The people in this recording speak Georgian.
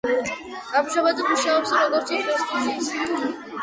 ამჟამად მუშაობს, როგორც პრინსტონის, ისე იერუსალიმის ებრაულ უნივერსიტეტში.